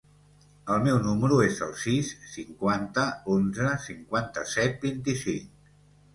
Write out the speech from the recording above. El meu número es el sis, cinquanta, onze, cinquanta-set, vint-i-cinc.